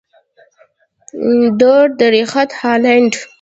دور درېخت هالنډ.